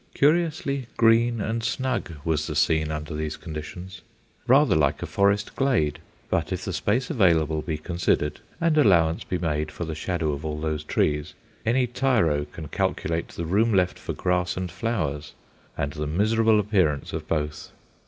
Curiously green and snug was the scene under these conditions, rather like a forest glade; but if the space available be considered and allowance be made for the shadow of all those trees, any tiro can calculate the room left for grass and flowers and the miserable appearance of both.